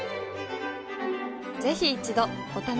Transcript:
ぜひ一度お試しを。